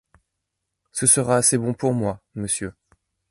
Ce sera assez bon pour moi, monsieur